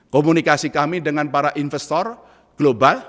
komunikasi kami dengan para investor global